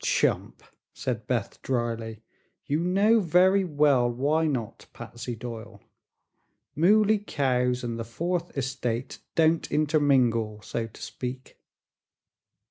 "Chump!" said Beth, drily; "you know very well why not, Patsy Doyle. Mooley cows and the fourth estate don't intermingle, so to speak."